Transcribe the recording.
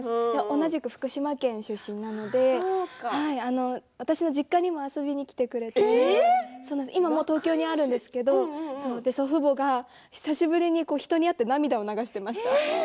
同じく福島県出身なので私の実家にも遊びに来てくれて今は、もう東京にあるんですけど祖父母が久しぶりに人に会って涙を流していました。